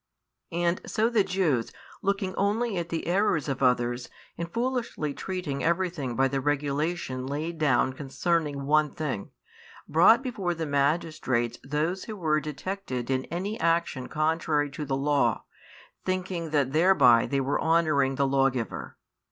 And so the Jews, looking only at the errors of others, and foolishly treating everything by the regulation laid down concerning one thing, brought before the magistrates those who were detected in, any action contrary to the aw, thinking that thereby they were honouring the Lawgiver.